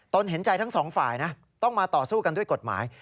เห็นใจทั้งสองฝ่ายนะต้องมาต่อสู้กันด้วยกฎหมาย